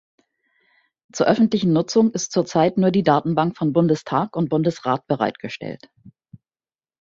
Zur öffentlichen Nutzung ist zurzeit nur die Datenbank von Bundestag und Bundesrat bereitgestellt.